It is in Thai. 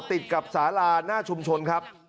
ติดกับสาลาหน้าชุมชนครับ